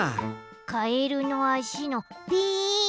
カエルのあしのぴーん！